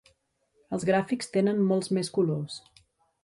Els gràfics tenen molts més colors.